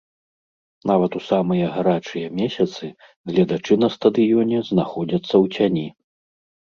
Нават у самыя гарачыя месяцы гледачы на стадыёне знаходзяцца ў цяні.